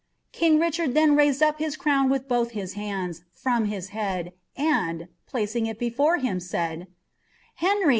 King Kichatd next raised up his crowo with both to bands from his head, and. placing it before liim, said, —" Benry.